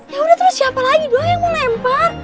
ya udah terus siapa lagi doa yang mau lempar